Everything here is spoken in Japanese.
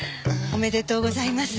おめでとうございます。